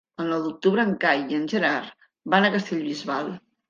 El nou d'octubre en Cai i en Gerard van a Castellbisbal.